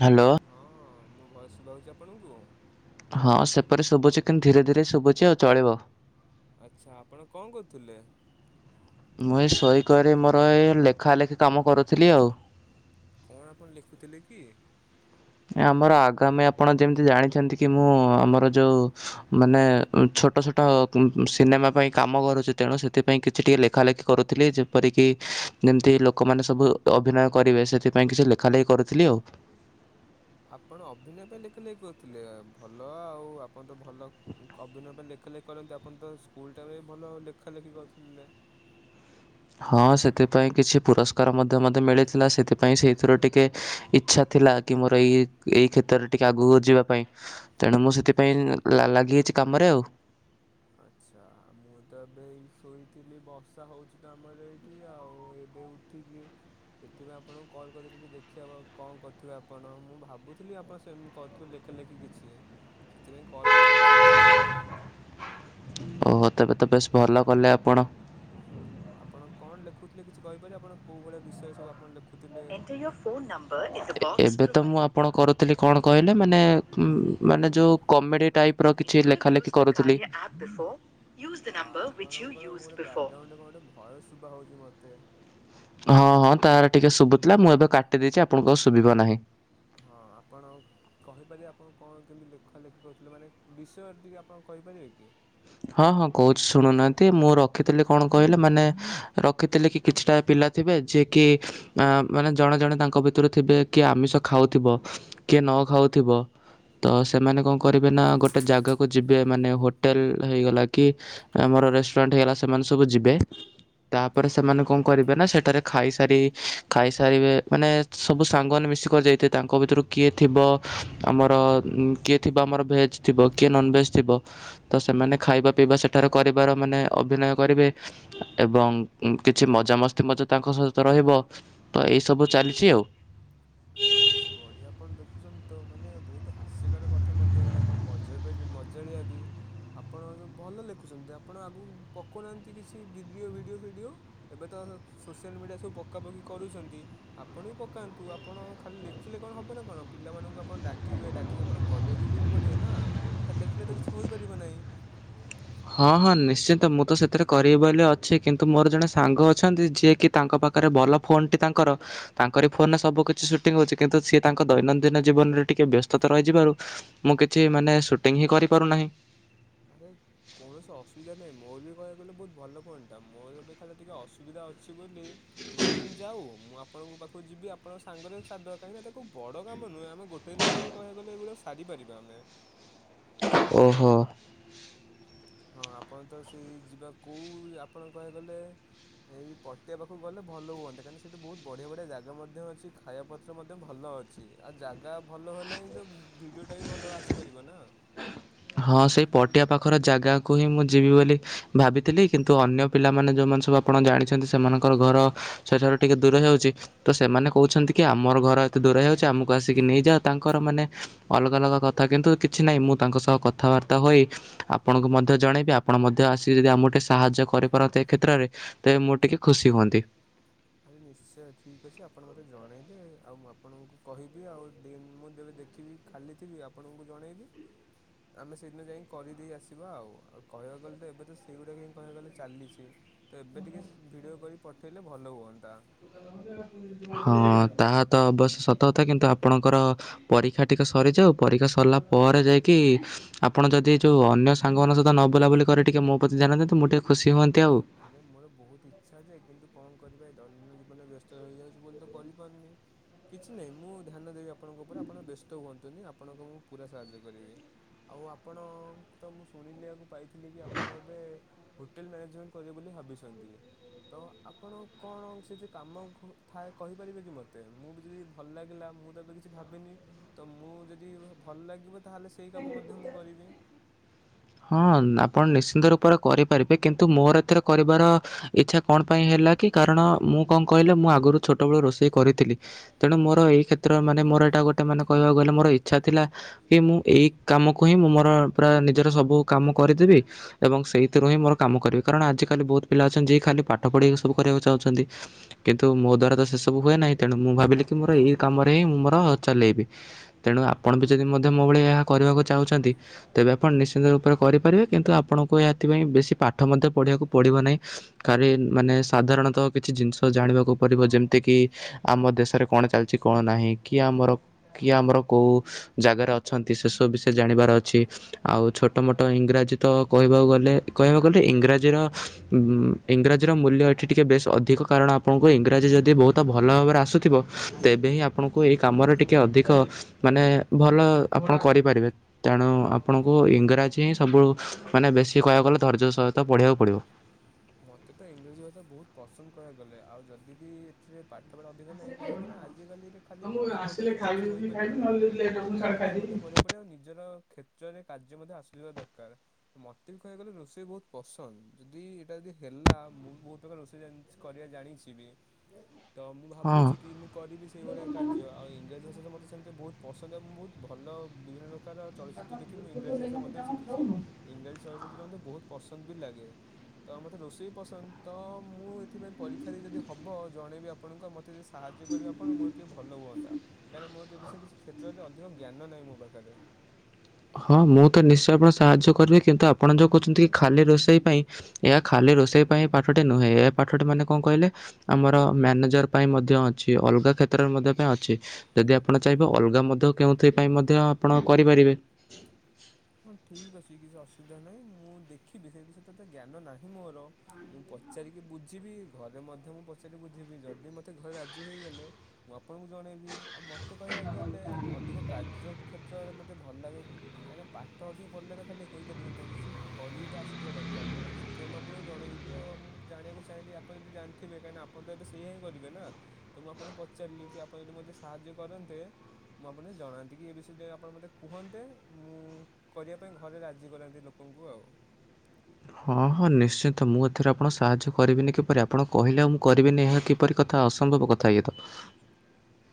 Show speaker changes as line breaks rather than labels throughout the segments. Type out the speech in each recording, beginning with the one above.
Hello.
ହଁ ମୋ ଭୟସ ଶୁଭାଯାଉଛି ଆପଣଙ୍କୁ?
ହଁ ସେପରି ଶୁଭୁଛି କିନ୍ତୁ ଧୀରେ ଧୀରେ ଶୁଭୁଛି ଆଉ ଚଳିବ।
ଆଚ୍ଛା ଆପଣ କଣ କହୁଥିଲେ?
ମୁଇଁ ଏଇ ଶୋଇ କରି ମୋର ଏ ଲେଖା ଲେଖି କାମ କରୁଥିଲି ଆଉ।
କଣ ଆପଣ ଲେଖୁଥିଲେ କି?
ଆମର ଆଗାମୀ ଆପଣ ଯେମିତି ଜାଣିଛନ୍ତି କି ମୁଁ ଆମର ଯୋଉ ମାନେ ଛୋଟ ଛୋଟ ଟ ଅ ପୁ ସିନେମା ପାଇଁ କାମ କରୁଛି ତେଣୁ ସେଥିପାଇଁ କିଛି ଟିକିଏ ଲେଖା ଲେଖି କରୁଥିଲି। ଯେ ଯେପରିକି ଯେମିତି ଲୋକମାନେ ସବୁ ଅଭିନୟ କରିବେ ସେଥିପାଇଁ କିଛି ଲେଖା ଲେଖି କରୁଥିଲି ଆଉ।
ଆପଣ ଅଭିନୟ ପାଇଁ ଲେଖା ଲେଖି କରୁଥିଲେ ଭଲ ଆଉ। ଆପଣ ତ ଭଲ ଅଭିନୟ ପାଇଁ ଲେଖା ଲେଖି କରନ୍ତି ଆପଣ ତ ସ୍କୁଲ ଟାଇମ ରେ ବି ଭଲ ଲେଖା ଲେଖି କରୁଥିଲେ।
ହଁ ସେଥିପାଇଁ କିଛି ପୁରସ୍କାର ମଧ୍ୟ ମତେ ମିଳିଥିଲା ସେଥିପାଇଁ ସେଇଥିରୁ ଟିକେ ଇଚ୍ଛା ଥିଲା। କି ମୋର ଏଇ ଏଇ କ୍ଷେତ୍ରରେ ଟିକେ ଆଗକୁ ଯିବା ପାଇଁ। ତେଣୁ ମୁଁ ସେଥିପାଇଁ ଲା ଲାଗିଯାଇଛି କାମରେ ଆଉ।
ଆଚ୍ଛା ମୁଁ ତ ଏବେ ଏଇ ଶୋଇଥିଲି ବର୍ଷା ହଉଛି ତ ଆମର ଏଇଠି ଆଉ। ଏବେ ଉଠି ଠିଲି। ସେଥିପାଇଁ ଆପଣଙ୍କୁ କଲ୍ କରିଦେଲି କି ଦେଖି ହେବ କଣ କରିଥିବେ ଆପଣ? ମୁଁ ଭାବୁଥିଲି ଆପଣ ସେ ଥୁ ଲେଖା ଲେଖିକି କିଛି ସେଥିପାଇଁ କଲ୍ କରି ପଚାରଦେଲି ଆଉ।
ଓହୋ ତେବେ ତ ବେଶ ଭଲ କଲେ ଆପଣ।
ଆପଣ କଣ ଲେଖୁଥିଲେ କିଛି କହିପାରିବେ? ଆପଣ କୋଉଳି ବିଷୟ ସବୁ ଆପଣ ଲଖୁ
ଏଣ୍ଟରୁ। ଏବେ ତ ମୁଁ ଆପଣ କରୁଥିଲି କଣ କହିଲେ ମାନେ ଉଁ ମାନେ ଯୋଉ କମେଡି ଟାଇପ ର କିଛି ଲେଖା ଲେଖି କରୁଥିଲି।
ଆ ଆପଣଙ୍କର ଗୋଟ ବ୍ୟାଗଗ୍ରାଉଣ୍ଡରେ କଣ ଗୋଟେ ଭୟସ ଶୁଭା ହଉଛି ମତେ?
ହଁ ହଁ ତାର ଟିକେ ଶୁଭୁଥିଲା ମୁଁ ଏବେ କାଟି ଦେଇଛି ଆପଣଙ୍କୁ ଆଉ ଶୁଭିବ ନାହିଁ।
ହଁ ଆପଣ କହିପାରିବେ ଆପଣ କଣ କେମିତି ଲେଖା ଲେଖି କରୁଥିଲେ ମାନେ ବିଷୟ ଟିକେ ଆପଣ କହିପାରିବେ କି?
ହଁ ହଁ କହୁଛି ଶୁଣୁନାହାନ୍ତି ମୁଁ ରଖିଥିଲି କଣ କହିଲେ ମାନେ ରଖିଥିଲି କି କିଛିଟା ପିଲା ଥିବେ ଯିଏକି ଆଁ ମାନେ ଜଣେ ଜଣେ ତାଙ୍କ ଭିତରୁ ଥିବେ କି ଆମିଷ ଖାଉଥିବ। କିଏ ନ ଖାଉଥିବ ତ ସେମାନେ କଣ କ କରିବେ ନା ଗୋଟେ ଜାଗାକୁ ଯିବେ ମାନେ ହୋଟେଲ ହେଇଗଲା କି ଆମର ରେଷ୍ଟୁରାଣ୍ଟ ହେଇଗଲା ସେମାନେ ସବୁ ଯିବେ। ତାପରେ ସେମାନେ କଣ କରିବେ ନା ସେଠାରେ ଖାଇସାରି ଖାଇସାରିବେ। ମାନେ ସବୁ ସାଙ୍ଗମାନେ ମିଶିକରି ଯାଇଥିବେ। ତାଙ୍କ ଭିତରୁ କିଏ ଥିବ ଆମର ଉଁ କିଏ ଥିବ ଆମର ଭେଜ୍ ଥିବ କିଏ ନନଭେଜ ଥିବ ତ ସେମାନେ ଖାଇବା ପିଇବା ସେଠାରେ କରିବାର ମାନେ ଅଭିନୟ କରିବେ। ଏବଂ କିଛି ମଜାମସ୍ତି ମଧ୍ୟ ତାଙ୍କ ସହିତ ରହିବ ତ ଏଇ ସବୁ ଚାଲିଛି ଆଉ।
ଆରେ ବେଶ ବଢିଆ ଆପଣ ଦେଖୁଛନ୍ତି ତ ମାନେ ବହୁତ ହାସ୍ୟକର କଥା ମଧ୍ୟ ଏଗୁଡାକ ଏବଂ ମଜା ବ ମଜାଳିଆ ବି। ଆପଣ ତ ଭଲ ଲେଖୁଛନ୍ତି, ଆପଣ ଆଗକୁ ପକାଉନାହାଁନ୍ତି କିଛି ଭିଡ଼ିଓ ଭିଡ଼ିଓ ଫିଡ଼ିଓ? ଏବେ ତ ସୋସିଆଲ ମିଡିଆ ସବୁ ପକା ପକି କରୁଛନ୍ତି ଆପଣ ବି ପକାନ୍ତୁ। ଆପଣ ଖାଲି ଲେଖିଲେ କଣ ହବ ନା କଣ ପିଲାମାନଙ୍କୁ ଆପଣ ଡାକିବେ ଡାକିକି ଆପଣ କରିବାକୁ ବି ପଡିବ ନା? ଖାଲି ଲେଖିଲେ ତ କିଛି ହୋଇପାରିବ ନାହିଁ?
ହଁ ହଁ ନିଶ୍ଚନ୍ତ ମୁଁ ତ ସେଥିରେ କରିବି ବୋଲି ଅଛି କିନ୍ତୁ ମୋର ଜଣେ ସାଙ୍ଗ ଅଛନ୍ତି ଯିଏ କି ତାଙ୍କ ପାଖରେ ପାରେ ଭଲ ଫୋନ୍ଟି ତାଙ୍କର ତାଙ୍କର ଫୋନ ରେ ସବୁ କିିଛି ସୁଟିଂ ହଉଛି କିନ୍ତୁ ସିଏ ତାଙ୍କ ଦୈନନ୍ଦିନ ଜୀବନରେ ଟିକେ ବ୍ୟସ୍ତତା ରହିଯିବାରୁ ମୁଁ କିଛି ମାନେ ସୁଟିଂ ହିଁ କରିପାରୁନାହିଁ।
ଆରେ କୌଣସି ଅସୁବିଧା ନାହିଁ ମୋର ବି କହିବାକୁହଲେ ବହୁତ ଭଲ ଫୋନ ଟା ମୋର ଏବେ ଖାଲି ଟିକେ ଅସୁବିଧା ଅଛି ବୋଲି କିଛି ଦିନ ଯାଉ ମୁଁ ଆପଣଙ୍କ ପାଖକୁ ଯିବି ଆପଣଙ୍କ ସାଙ୍ଗରେ କାହିଁକି ତାକୁ ବଡ କାମ ନୁହେଁ ଆମେ ଗୋଟେ ବି ବୋଲି କହିବା ଗଲେ ଏଗୁଡ଼ା ସାରିପାରିବା ଆମେ।
ଓହୋ
ହଁ ଆପଣ ତ ସେଇ ଯିବା କୋଉ ଆପଣ କହିବାକୁ ଗଲେ ଏଇ ପଟିଆ ପାଖକୁ ଗଲେ ଭଲ ହୁଅନ୍ତା। କ [unintelligible] ସେଠି ବହୁତ ବଢିଆ ବଢିଆ ଜାଗା ମଧ୍ୟ ଅଛି ଖାଇବା ପତ୍ର ମଧ୍ୟ ଭଲ ଅଛି। ଅଛି ଆଉ ଜାଗା ଭଲ ହେଲେ ହିଁ ତ ଭିଡିଓ ଟା ବି ଭଲ ଆସିପାରିବ ନା।
ହଁ ସେଇ ପଟିଆ ପାଖର ଜାଗାକୁ ହିଁ ମୁଁ ଯିବି ବୋଲି ଭାବିଥିଲି କିନ୍ତୁ ଅନ୍ୟ ପିଲାମାନେ ଯୋଉମାନେ ସବୁ ଆପଣ ଜାଣିଛନ୍ତି ସେମାନଙ୍କର ଘର ସେଠାରୁ ଟିକେ ଦୂର ହେଉଛି। ତ ସେମାନେ କହୁଛନ୍ତି କି ଆମର ଘର ଏତେ ଦୂର ହେଇଯାଉଛି ଆମକୁ ଆସିକି ନେଇଯାଅ ତାଙ୍କର ମାନେ ଅଲଗା ଅଲଗା କଥା କିନ୍ତୁ କିଛି ନାହିଁ ମୁଁ ତାଙ୍କ ସହ କଥାବାର୍ତ୍ତା ହୋଇ ଆପଣଙ୍କୁ ମଧ୍ୟ ଜଣେଇବି ଆପଣ ମଧ୍ୟ ଆସିକି ଯଦି ଆମକୁ ଟିକେ ସାହାଯ୍ୟ କରିପାରନ୍ତେ ଏ କ୍ଷେତ୍ରରେ ତ ମୁଁ ଟିକେ ଖୁସି ହୁଅନ୍ତି।
ଆରେ ନିଶ୍ଚୟ ଠିକ୍ ଅଛି ଆପଣ ମୋତେ ଜଣେଇବେ ଆଉ ମୁଁ ଆପଣଙ୍କୁ କହିବି ଆଉ ମୁଁ ଦେବେ ଦେଖିବି ଖାଲି ଥିବି ଆପଣଙ୍କୁ ଜଣେଇବି। ଆମେ ସେଇଦିନ ଯାଇକି କରିଦେଇ ଆସିବା ଆଉ ଆଉ କହିବାକୁ ଗଲେ ତ ଏବେ ତ ସେଇଗୁଡାକ ହିଁ କହିବାକୁ ଗଲେ ଚାଲିଛି। ତ ଏବେ ଟିକେ ଭିଡିଓ କରି ପଠେଇଲେ ଭଲ ହୁଅନ୍ତ।
ହଁ ତାହା ତ ଅବଶ୍ୟ ସତ କଥା କିନ୍ତୁ ଆପଣଙ୍କର ପରୀକ୍ଷା ଟିକେ ସରିଯାଉ ପରୀକ୍ଷା ସରିଲା ପରେ ଯାଇକି ଆପଣ ଯଦି ଯେଉଁ ଅନ୍ୟ ସାଙ୍ଗମାନଙ୍କ ସହିତ ନ ବୁଲାବୁଲି କରିି ଟିକିଏ ମୋ ପ୍ରତି ଧ୍ୟାନ ଦୀଅନ୍ତେ ମୁ ଟିକେ ଖୁସି ହୁଅନ୍ତି ଆଉ।
ଆରେ ମୋର ବହୁତ ଇଚ୍ଛା ଅ ଯେ କିନ୍ତୁ କଣ କରିବା ଏଇ ଦୈନନ୍ଦିନ ଜୀବନରେ ବ୍ୟସ୍ତ ରହିଯାଉଛି ବୋଲି ତ କରିପାରୁନି। କିଛି ନହିଁ ମୁଁ ଧ୍ୟାନ ଦେବି ଆପଣଙ୍କ ଉପରେ ଆପଣ ବ୍ୟସ୍ତ ହୁଅନ୍ତୁନି ଆପଣଙ୍କ ମୁଁ ପୁରା ସାହାଯ୍ୟ କରିଵୀ। ଆଉ ଆପଣ ତ ମୁଁ ଶୁଣିଲିକୁ ପାଇଥିଲି କି ଆପଣ ଏବେ ହୋଟେଲ ମ୍ୟାନେଜମେଣ୍ଟ କରିବ ବୋଲି ଭାବିଛନ୍ତି। ତ ଆପଣ କଣ ସେ ଯ କାମ ଥାଏ କହିପାରିବେ କି ମତେ ମୁଁ ବି ଯଦି ଭଲ ଲାଗିଲା ମୁଁ ତ ଏବେ କିଛି ଭାବିନି। ତ ମୁଁ ଯଦି ଭଲ ଲାଗିବ ତାହେଲେ ସେଇ କାମ ମଧ୍ୟ ମୁଁ କରିବି।
ହଁ ଆପଣ ନିଶ୍ଚିନ୍ତ ରୂପରେ କରିପାରିବେ କିନ୍ତୁ ମୋର ଏଥିରେ କରିବାର ଇଚ୍ଛା କଣ ପାଇଁ ହେଲା କି କାରଣ ମୁଁ କଣ କହିଲେ ମୁଁ ଆଗରୁ ଛୋଟବେେଳ ରୋଷେଇ କରିଥିଲି। ତେଣୁ ମୋ ଏଇ କ୍ଷେତ୍ରରେ ମାନ ମୋର ଏଇଟ ଗୋଟେ ମାନେହିବାକୁ ଗଲେ ମୋର ଇଚ୍ଛାଥିଲା କି ମୁଁ ଏଇ କାମକୁ ହିଁ ମୁଁ ମୋର ପୁରା ନିଜର ସବୁ କାମ କରିଦେବି ଏବଂ ସେଇଥିରୁ ହିଁ ମୋର କାମ କରିବି କାରଣ ଆଜିକାଲି ବହୁତ ପିଲା ଅଛନ୍ତି ଯିଏ ଖାଲି ପାଠ ପଢି ସବୁ କରିବାକୁ ଚାହୁଁଛନ୍ତି। କିନ୍ତୁ ମୋ ଦ୍ଵାରା ତ ସେ ସବୁ ହୁଏ ନାହିଁ ତେଣୁ ମୁଁ ଭାବିଲି କି ମୋର ଏଇ କାମରେ ହିଁ ମୁଁ ମୋର ଚଲେଇବି। ତେଣୁ ଆପଣ ବି ଯଦି ମଧ୍ୟ ମୋ ଭଳି ଏହା କରିବାକୁ ଚାହୁଁଛନ୍ତି ତେବେ ଆପଣ ନିଶ୍ଚିନ୍ତ ରୂପରେ କରିପାରିବେ କିନ୍ତୁ ଆପଣଙ୍କୁ ଏଥିପାଇଁ ବେଶୀ ପାଠ ମଧ୍ୟ ପଢ଼ିବାକୁ ପଡ଼ିବ ନାହିଁ। ଖାଲି ମାନେ ସାଧାରଣତଃ କିଛି ଜିନିଷ ଜାଣିବାକୁ ପଡିବ ଯେମିତି କି ଆମ ଦେଶରେ କଣ ଚାଲିଛି କଣ ନାହିଁ କି ଆମର କିଏ ଆମର କୋଉ ଜାଗାରେ ଅଛନ୍ତି ସେସବୁ ବିଷୟ ଜାଣିବାର ଅଛି। ଆଉ ଛୋଟ ମୋଟ ଇଂରାଜୀ ତ କହିବାକୁ ଗଲେ କହିବାକୁ ଗଲେ ଇଂରାଜୀର ଇଂରାଜୀର ମୂଲ୍ୟ ଏଠି ଟିକିଏ ବେଶ୍ ଅଧିକ କାରଣ ଆପଣଙ୍କୁ ଇଂରାଜୀ ଯଦି ବହୁତ ଭଲ ଭାବରେ ଆସୁଥିବ ତେବେ ହିଁ ଆପଣଙ୍କୁ ଏଇ କାମରେ ଟିକେ ଅଧିକ ମାନେ ଭଲ ଆପଣ କରିପାରିବେ। ତେଣୁ
ହଁ
ଆପଣଙ୍କୁ
ମ
ଇଂରାଜୀ ହିଁ ସବୁ ମାନେ ବେଶୀ କହିବାକୁ ଗଲେ ଧୈର୍ଯ୍ୟ ସହିତ ପଢିବାକୁ ପଡିବ।
ମୋତେ ତ ଇଂରାଜୀ ଭାଷା ବହୁତ ପସନ୍ଦ କହିବାକୁଗଲେ ଆଉ ଯଦି ବି ଏଥିରେ ପାଠପଢ଼ା ନଁ କାହିଁକି ନା ଆଜିିକାଲିରେ ଖାଲି
ହଁ ମୁଁ
ବହି ପଢିଲ
ଆସିଲେ
ତ
ଖାଇବି ଯଦି
କିଛିଇପାରିବ
ଖାଇବି
ନାହିଁ
ନହେଲେ ଲେଟ୍ ହବ ମୁଁ
ଅଲଗା
ସିଆଡ଼େ
ପାଠ
ଖାଇଦେବି।
ମଧ୍ୟ ପଢ଼ିବା ସେପଟ ଆ ନିଜର କ୍ଷେତ୍ରରେ କାର୍ଯ୍ୟ ମଧ୍ୟ ଆସୁଥିବା ଦରକାର। ତ ମତେ ବି କହିବାକୁ ଗଲେ ରୋଷେଇ ବହୁତ ପସନ୍ଦ, ଯଦି ଟା ଯଦି ହେଲା ମୁଁ ବି ବହୁତ୍ ପ୍ରକାର ରୋଷେଇ କରିବା ଜାଣିଚି ବି। ତ ମୁଁ
ହଁ।
ଭାବୁଚି କି ମୁଁ କରିବି ସେଇଭଳିଆ କାର୍ଯ୍ୟ ଆଉ ଇଂରାଜୀ ଭାଷା ତ ମତେ ସେମିତି ବହୁତ୍ ପସନ୍ଦ ଆ ମୁଁ ବହୁତ୍ ଭଲ ବିଭିନ୍ନ ପ୍ରକାର ଚଳଚ୍ଚିତ୍ର ଦେଖି ମୁଁ ଇଂରାଜୀ ଭାଷା
ଏଇଟା
ମଧ୍ୟ
କଣ
ଶିକିଛି,
ଖାଉନୁ?
ଇଂରାଜୀ ଚଳଚ୍ଚିତ୍ର ମତେ ବହୁତ୍ ପସନ୍ଦ ବି ଲାଗେ। ତ ମତେ ରୋଷେଇ ପସନ୍ଦ ତ ମୁଁ ଏଥିପାଇଁ ପରୀକ୍ଷା ଦେଇ ଯଦି ହବ ଜଣେଇବି ଆପଣଙ୍କୁ ଆଉ ମ ତେ ସାହାଯ୍ୟ କରିବେ ଆପଣ ମୋର ଟିକେ ଭଲ ହୁଅନ୍ତା। କାଇଁ ନା ମୋର ଟିକେ ଏ ବିଷୟରେ କିଛି କ୍ଷେତ୍ରରେ ଜ୍ଞାନ ନାହିଁ ମୋ ପାଖେରେ।
ହଁ ମୁଁ ତ ନିଶ୍ଚୟ ଆପଣଙ୍କୁ ସାହାଯ୍ୟ କରିବି, କିନ୍ତୁ ଆପଣ ଯୋଉ କହୁଚନ୍ତି କି ଖାଲି ରୋଷେଇ ପାଇଁ ଏହା ଖାଲି ରୋଷେଇ ପାଇଁ ପାଠଟି ନୁହେଁ, ଏ ପାଠଟି ମାନେ କଣ କହିଲେ ଆମର ମ୍ୟାନେଜର୍ ପାଇଁ ମଧ୍ୟ ଅଛି, ଅଲଗା କ୍ଷେତ୍ରରେ ମଧ୍ୟ ପାଇଁ ଅଛି। ଯଦି ଆପଣ ଚାହିଁବେ ଅଲଗା ମଧ୍ୟ କେଉଁଥି ପାଇଁ ମଧ୍ୟ ଆପଣ କରିପାରିବେ।
ହଁ ଠିକ୍ ଅଛି, କିଛି ଅସୁବିଧା ନାହିଁ ମୁଁ ଦେଖିବି ସେ ବିଷୟରେ ତ ଏତେ ଜ୍ଞାନ ନାହିଁ ମୋର। ମୁଁ ପଚାରିକି ବୁଝିବି ଘରେ ମଧ୍ୟ ମୁଁ ପଚାରି ବୁଝିବି, ଯଦି ମତେ ଘରେ ରାଜୁ ହେଇଗଲେ ମୁଁ ଆପଣଙ୍କୁ ଜଣେଇବି। ଆଉ ମତେ କହିବାକୁ ଗଲେ ଅଧିକ କାର୍ଯ୍ୟ କ୍ଷେତ୍ରରେ ମତେ ଭଲ୍ ଲାଗେ, କାଇଁ ନା ପା ପାଠ ଅଧିକ ପଢିଲେ ତ ଖାଲି ହୋଇପାରିବନି ନା କିଛି କରିବି ତ ଆସୁଥିବା ଦରକାର ନା, ସେଥିପାଇଁ ମୁଁ ଆପଣଙ୍କୁ ଜଣେଇଲି ଆଉ-ଆଉ ମୁଁ ଜଣିବାକୁ ଚାହିଁଲି ଆପଣ ଯଦି ଜାଣିଥିବେ କାଇଁ ନା ଆପଣ ଏବେ ସେଇଆ ହିଁ କରିବେ ନା। ତ ମୁଁ ଆପଣଙ୍କୁ ପଚାରିଲି କି ଆପଣ ଯଦି ମତେ ସାହାଯ୍ୟ କରନ୍ତେ ମୁଁ ଆପଣଙ୍କୁ ଜଣାନ୍ତି କି ଏ ବିଷୟରେ ଟିକେ ଆପଣ ମତେ କୁହନ୍ତେ ମୁଁ କରିବା ପାଇଁ ଘରେ ରାଜି କରାନ୍ତି ଲୋକଙ୍କୁ ଆଉ।
ହଁ ହଁ ନିଶ୍ଚିନ୍ତ ମୁଁ ଏଥିରେ ଆପଣଙ୍କୁ ସାହାଯ୍ୟ କରିବିନି କିପରି ଆପଣ କହିଲେ ଆଉ ମୁଁ କରିବିନି ଏହା କିପରି କଥା ଅସମ୍ଭବ କଥା ଇଏତ।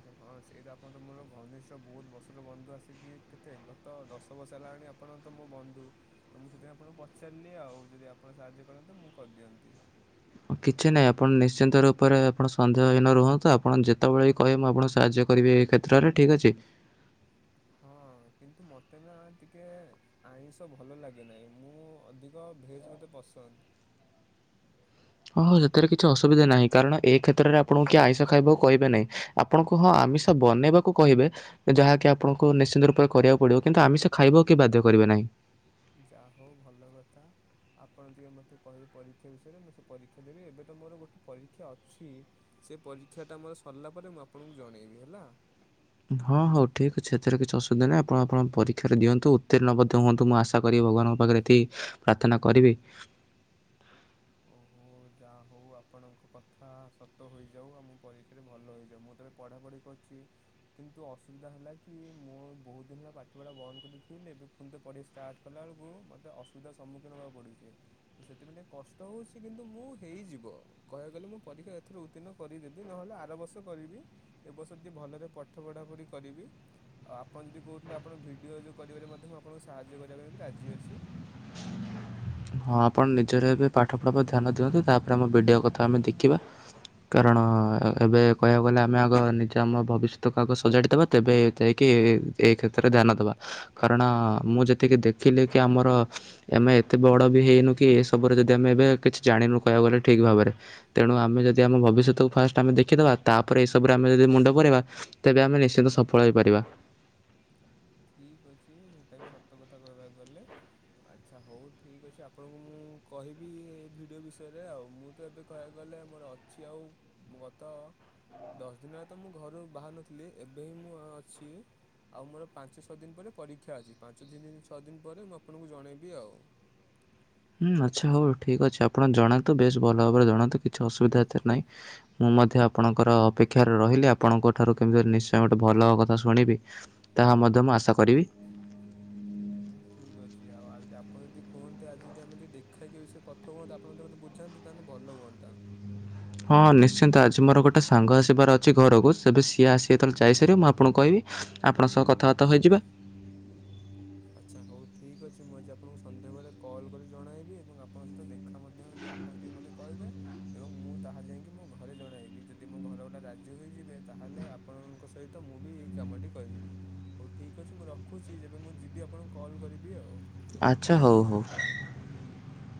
ଆଚ୍ଛା ହଁ ସେଇତ ଆପଣ ତ ମୋର ଘନିଷ୍ଠ ବହୁତ୍ ବର୍ଷର ବନ୍ଧୁ ଆସିକି କେତେ ଗତ ଦଶ ବର୍ଷ ହେଲାଣି ଆପଣ ତ ମୋ ବନ୍ଧୁ, ତ ମୁଁ ସେଥିପାଇଁ ଆପଣଙ୍କୁ ପଚାରିଲି ଆଉ ଯଦି ଆପଣ ସାହାଯ୍ୟ କରନ୍ତେ ମୁଁ କରିଦିଅନ୍ତି।
କିଛି ନାହିଁ ଆପଣ ନିଶ୍ଚିନ୍ତ ରୂପରେ ଆପଣ ସନ୍ଦେହହୀନ ରୁହନ୍ତୁ, ଆପଣ ଯେତବଳେ ବି କହିବେ ମୁଁ ଆପଣ ସାହାଯ୍ୟ କରିବି ଏହି କ୍ଷେତ୍ରରେ ଠିକ୍ ଅଛି।
ହଁ କିନ୍ତୁ ମତେ ନା ଟିକେ ଆଇଁଷ ଭଲ ଲାଗେ ନାହିଁ, ମୁଁ ଅଧିକ ଭେଜ୍ ମତେ ପସନ୍ଦ।
ଆଉ ହଁ ସେଥିରେ କିଛି ଅସୁବିଧା ନାହିଁ, କାରଣ ଏ କ୍ଷେତ୍ରରେ ଆପଣଙ୍କୁ କିଏ ଆଇଁଷ ଖାଇବାକୁ କହିବେ ନାହିଁ। ଆପଣଙ୍କୁ ହଁ ଆମିଷ ବନେଇବାକୁ କହିବେ। ଯାହାକି ଆପଣଙ୍କୁ ନିଶ୍ଚିନ୍ତ ରୂପରେ କରିବାକୁ ପଡିବ କିନ୍ତୁ ଆମିଷ ଖାଇବାକୁ କେହି ବାଧ୍ୟ କରିବେ ନାହିଁ।
ଯା ହଉ ଭଲ କଥା। ଆପଣ ଟିକେ ମତେ କହିବେ ପରୀକ୍ଷା ବିଷୟରେ ମୁଁ ସେ ପରୀକ୍ଷା ଦେବି, ଏବେ ତ ମୋର ଗୋଟେ ପରୀକ୍ଷା ଅଛି। ସେ ପରୀକ୍ଷା ଟା ମୋର ସରିଲା ପରେ ମୁଁ ଆପଣଙ୍କୁ ଜଣେଇବି ହେଲା।
ହଁ ହଉ ଠିକ୍ ଅଛି ସେଥିରେ କିଛି ଅସୁବିଧା ନାହିଁ ଆପଣ ଆପଣ ପରୀକ୍ଷାରେ ଦିଅନ୍ତୁ ଉତ୍ତୀଣ୍ଣ ମଧ୍ୟ ହୁଅନ୍ତୁ ମୁଁ ଆଶା କରିବି ଭଗବାନଙ୍କ ପାଖେରେ ଏତିକି ପ୍ରାର୍ଥନା କରିବି।
ଓହୋ ଯାହା ହଉ ଆପଣଙ୍କ କଥା ସତ ହୋଇଯାଉ ଆମ ପରୀକ୍ଷାରେ ଭଲ ହେଇଯାଉ, ମୁଁ ତ ପଢ଼ାପଢ଼ି କରୁଚି। କିନ୍ତୁ ଅସୁବିଧା ହେଲା କି ମୁଁ ବହୁତ୍ ଦିନ୍ ହେଲା ପାଠପଢ଼ା ବନ୍ଦ କରିଦେଇଥିଲି ବୋଲି ଏବେ ଫୁଣି ଥରେ ପଢ଼ିବା ଷ୍ଟାର୍ଟ କଲା ବେଳକୁ ମତେ ଅସୁବିଧାର ସମ୍ମୁଖୀନ ହେବାକୁ ପଡୁଚି, ତ ସେଥିପାଇ ଟିକେ କଷ୍ ଷ୍ଟ ହଉ ସେ କିନ୍ତୁ ମୁଁ ହେଇଯିବ। କହିବାକୁ ଗଲେ ମୁଁ ପରୀକ୍ଷା ଏଥର ଉତ୍ତୀର୍ଣ କରିଦେବି ନହେଲେ ଆର ବର୍ଷ କରିବି। ଏ ବର୍ଷ ଟିକେ ଭଲରେ ପାଠ ପଢାପଢି କରିବି। ଆଉ ଆପଣ ଯଦି କହୁଥିଲେ ଆପଣ ଭିଡିଓ ଯୋଉ କରିବାରେ ମଧ୍ୟ ମୁଁ ଆପଣଙ୍କୁ ସାହାଯ୍ୟ କରିବା ପାଇଁ ବି ରାଜି ଅଛି।
ହଁ ଆପଣ ନିଜର ଏବେ ପାଠପଢ଼ା ପ୍ରତି ଧ୍ୟାନ ଦିଅନ୍ତୁ, ତାପରେ ଆମ ଭିଡିଓ କଥା ଆମେ ଦେଖିବା। କାରଣ ଏବେ କହିବାକୁ ଗଲେ ଆମେ ଆଗ ନିଜେ ଆମ ଭବିଷ୍ୟତକୁ ଆଗ ସଜାଡ଼ି ଦବା ତେବେ ଯାଇକି ଏ ଏଇ କ୍ଷେତ୍ରରେ ଧ୍ୟାନ ଦବା। କାରଣ ମୁଁ ଯେତିକି ଦେଖିଲି କି ଆମର ଆମେ ଏତେ ବଡ ବି ହେଇନୁ କି ଏସବୁ ରେ ଯଦି ଆମେ ଏବେ କିଛି ଜାଣିନୁ କହିବାକୁ ଗଲେ ଠିକ୍ ଭାବରେ। ତେଣୁ ଆମେ ଯଦି ଆମ ଭବିଷ୍ୟତକୁ ଫାଷ୍ଟ ଆମ ଦେଖିଦେବା, ତାପରେ ଏଇସବୁରେ ଆମେ ଯଦି ମୁଣ୍ଡ ପୁରେଇବା ତେବେ ଆମେ ନିଶ୍ଚିନ୍ତ ସଫଳ ହେଇପାରିବା।
ଠିକ ଅଛି ସେଟା ବି ସତ କଥା କହିବାକୁ ଗଲେ। ଆଚ୍ଛା ହଉ ଠିକ୍ ଅଛି, ଆପଣଙ୍କୁ ମୁଁ କହିବି ଏ ଭିଡିଓ ବିଷୟରେ, ଆଉ ମୁଁ ତ ଏବେ କହିବାକୁ ଗଲେ ମୋର ଅଛି ଆଉ ଗତ ଦଶ ଦିନରେ ତ ମୁଁ ଘରୁ ବାହାରୁ ନଥିଲି। ଏବେ ହିଁ ମୁଁ ଅଛି ଆଉ ମୋର ପାଞ୍ଚ ଛଅ ଦିନ ପରେ ପରୀକ୍ଷା ଅଛି ପାଞ୍ଚ ଦି ଦିନ ଛଅ ଦିନ ପରେ ମୁଁ ଆପଣଙ୍କୁ ଜଣେଇବି ଆଉ।
ହୁଁ ଆଚ୍ଛା ହଉ ଠିକ୍ ଅଛି, ଆପଣ ଜଣାନ୍ତୁ, ବେଶ୍ ଭଲ ଭାବରେ ଜଣାନ୍ତୁ, କିଛି ଅସୁବିଧା ଏଥିରେ ନାହିଁ। ମୁଁ ମଧ୍ୟ ଆପଣଙ୍କର ଅପେକ୍ଷାରେ ରହିଲି, ଆପଣଙ୍କ ଠାରୁ କେମିତି ନିଶ୍ଚୟ ଗୋଟେ ଭଲ କଥା ଶୁଣିବି। ତାହା ମଧ୍ୟ ମୁଁ ଆଶା କରିବି।
ହଁ ଠିକ ଅଛି ଆଉ ଆପଣ ଯଦି କୁହନ୍ତେ ଆଜି ଯଦି ଆମେ ଟିକେ ଦେଖାଇକି ବିଷୟରେ କଥା କୁହନ୍ତେ ଆପଣ ମତେ ବୁଝାନ୍ତେ ତାହେଲେ ଭଲ ହୁଅନ୍ତା।
ହଁ ନିଶ୍ଚିନ୍ତ ଆଜି ମୋର ଗୋଟେ ସାଙ୍ଗ ଆସିବାର ଅଛି ଘରକୁ, ତେବେ ସିଏ ଆସି ଯେତେବେଳେ ଯାଇସାରିବ, ମୁଁ ଆପଣଙ୍କୁ କହିବି। ଆପଣଙ୍କ ସହ କଥାବାର୍ତ୍ତା ହୋଇଯିବା।
ଆଚ୍ଛା ହଉ ଠିକ୍ ଅଛି, ମୁଁ ଆଜି ଆପଣଙ୍କୁ ସନ୍ଧ୍ୟାବେଳେ କଲ୍ କରି ଜଣାଇବି, ଏବଂ ଆପଙ୍କ ସହିତ ଦେଖ ତମ ଦେହ ବି ଆପଣ ଟିକେ ମତେ କହିବେ ଏବଂ ମୁଁ ତାହା ଯାଇକି ମୋ ଘରେ ଜଣେଇବି, ଯଦି ମୋ ଘର ଭଲା ରାଜି ହୋଇଯିବେ ତାହେଲେ ଆପଣଙ୍କ ସହିତ ମୁଁ ବି ଏଇ କାମଟି କରିିବି, ହଉ ଠିକ ଅଛି ମୁଁ ରଖୁଛି ଯେବେ ମୁଁ ଯିବି ଆପଣଙ୍କୁ କଲ୍ କରିବି ଆଉ।
ଆଚଛା ହଉ ହଉ।